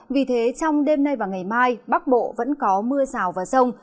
vì thế trong đêm nay và ngày mai bắc bộ vẫn có mưa rào và rông